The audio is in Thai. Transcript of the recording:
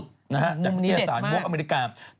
จากนิตยาศาสตร์เมืองอเมริกา